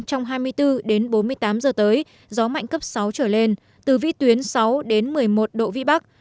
trong hai mươi bốn đến bốn mươi tám giờ tới gió mạnh cấp sáu trở lên từ vị tuyến sáu đến một mươi một độ vị bắc